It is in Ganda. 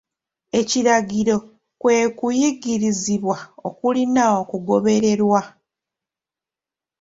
Ekiragiro kwe kuyigirizibwa okulina okugobererwa.